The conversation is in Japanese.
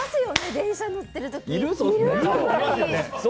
電車乗ってる時。